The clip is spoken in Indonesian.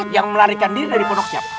yang melarikan diri dari pondok siapa